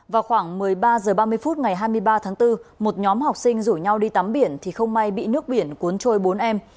vào khoảng một mươi ba h ba mươi phút ngày hai mươi ba tháng bốn một nhóm học sinh rủ nhau đi tắm biển thì không may bị nước biển cuốn trôi bốn em